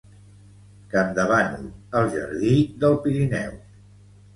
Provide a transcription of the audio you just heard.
Campdevànol, el jardí del Pirineu.